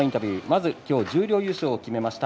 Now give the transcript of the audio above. まず十両優勝を決めました。